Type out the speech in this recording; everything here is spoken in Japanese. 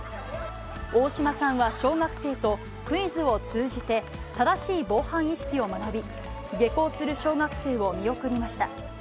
大島さんは小学生と、クイズを通じて正しい防犯意識を学び、下校する小学生を見送りました。